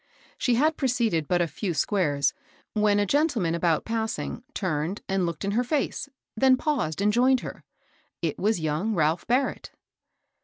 She had proceeded but a few squares, when a gentleman about passing turned and looked in her face, then paused and joined her. It was young Ralph Barrett.